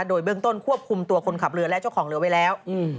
โดยเบื้องต้นควบคุมตัวคนขับเรือและเจ้าของเรือไว้แล้ว